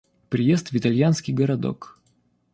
Приезд в итальянский городок.